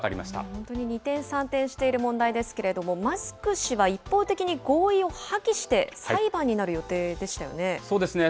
本当に二転三転している問題ですけれども、マスク氏は一方的に合意を破棄して、裁判になる予定でしたよね。